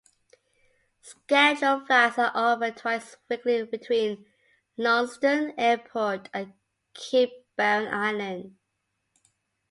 Scheduled flights are offered twice weekly between Launceston Airport and Cape Barren Island.